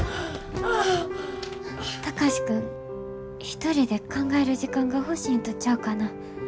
一人で考える時間が欲しいんとちゃうかな。